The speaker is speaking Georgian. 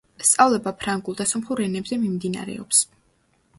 სწავლება ფრანგულ და სომხურ ენებზე მიმდინარეობს.